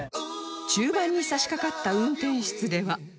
中盤に差しかかった運転室では